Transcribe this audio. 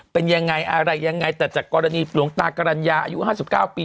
เป็นยังไงอะไรยังไงแต่จากกรณีหลวงตากรรณญาอายุ๕๙ปี